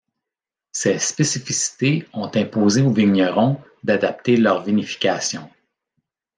Ces spécificités ont imposé aux vignerons d'adapter leur vinification.